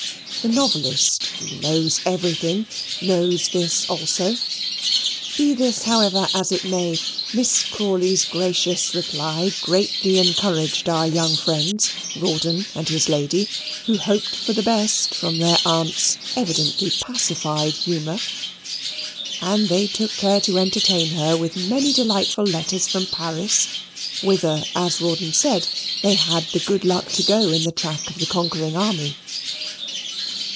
The novelist, who knows everything, knows this also. Be this, however, as it may, Miss Crawley's gracious reply greatly encouraged our young friends, Rawdon and his lady, who hoped for the best from their aunt's evidently pacified humour: and they took care to entertain her with many delightful letters from Paris, whither, as Rawdon said, they had the good luck to go in the track of the conquering army.